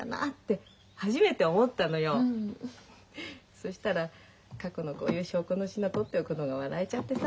そしたら過去のこういう証拠の品取っておくのが笑えちゃってさ。